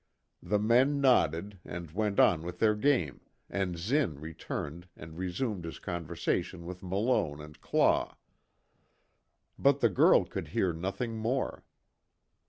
The men nodded, and went on with their game, and Zinn returned and resumed his conversation with Malone and Claw. But the girl could hear nothing more.